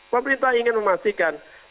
pemerintah ingin memastikan